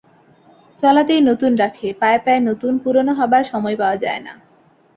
চলাতেই নতুন রাখে, পায়ে পায়ে নতুন, পুরানো হবার সময় পাওয়া যায় না।